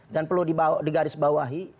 dan perlu digarisbawahi